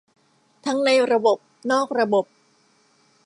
ทั้งในระบบนอกระบบ